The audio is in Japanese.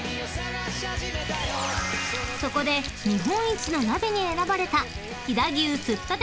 ［そこで日本一の鍋に選ばれた飛騨牛すっ